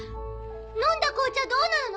飲んだ紅茶どうなるの？